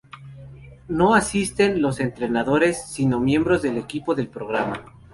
No asisten los "entrenadores" sino miembros del equipo del programa.